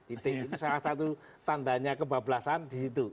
itu salah satu tandanya kebablasan di situ